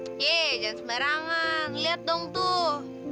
oke jangan sembarangan lihat dong tuh